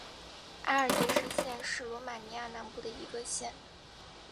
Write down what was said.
阿尔杰什县是罗马尼亚南部的一个县。